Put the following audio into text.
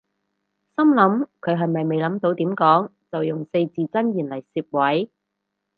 心諗佢係咪未諗到點講就用四字真言嚟攝位